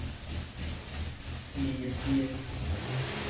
事業線